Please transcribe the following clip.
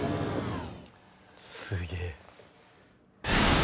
すげえ。